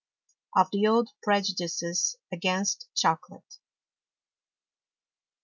Of the old Prejudices against Chocolate.